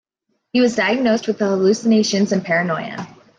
He was diagnosed with hallucinations and paranoia.